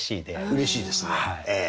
うれしいですね。